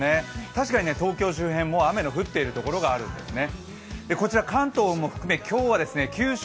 確かに東京周辺、もう雨の降っている所があるんですね。